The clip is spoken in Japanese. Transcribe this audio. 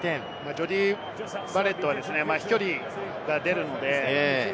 ジョーディー・バレットは飛距離が出るので。